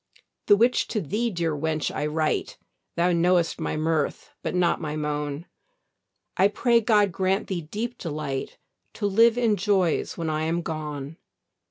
The which to thee, dear wench, I write, Thou know'st my mirth but not my moan; I pray God grant thee deep delight, To live in joys when I am gone.